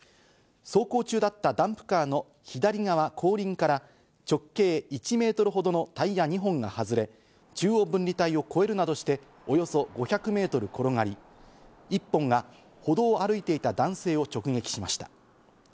走行中だったダンプカーの左側後輪から直径１ｍほどのタイヤ２本が外れ、中央分離帯を越えるなどして、およそ５００ｍ転がり１本が歩道を歩いていた男性を直撃しました。